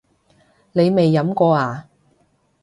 你未飲過呀？